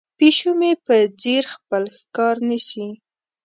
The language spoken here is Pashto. پیشو مې په ځیر خپل ښکار نیسي.